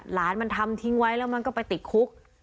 หลานมันทำทิ้งไว้แล้วมันก็ไปติดคุก